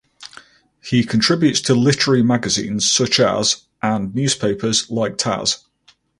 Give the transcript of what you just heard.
He contributes to literary magazines such as and newspapers like taz.